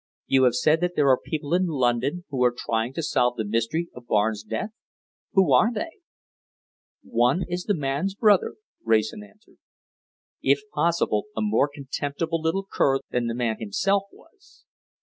"You have said that there are people in London who are trying to solve the mystery of Barnes' death. Who are they?" "One is the man's brother," Wrayson answered, "if possible, a more contemptible little cur than the man himself was.